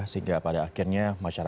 sehingga pada akhirnya